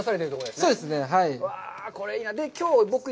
そうですね、はい。